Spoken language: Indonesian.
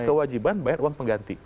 kewajiban bayar uang pengganti